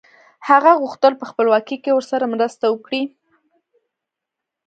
هغه غوښتل په خپلواکۍ کې ورسره مرسته وکړي.